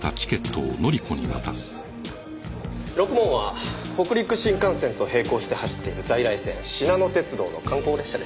ろくもんは北陸新幹線と並行して走っている在来線しなの鉄道の観光列車です。